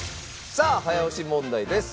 さあ早押し問題です。